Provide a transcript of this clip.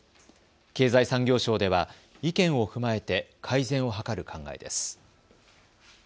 経済産業省では意見を踏まえて改善を図る考えです。